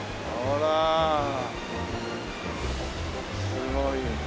すごい。